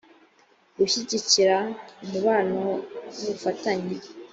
gushyigikira umubano w ubufatanye